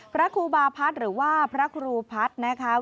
พระครูบาพัฒน์หรือว่าพระครูพัฒน์นะคะ